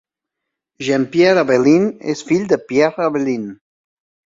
Jean-Pierre Abelin és el fill de Pierre Abelin.